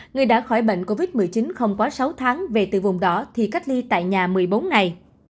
người đã khỏi bệnh covid một mươi chín không quá sáu tháng về từ vùng đỏ thì cách ly tại nhà một mươi bốn ngày